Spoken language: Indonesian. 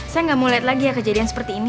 saya gak mau liat lagi ya kejadian seperti ini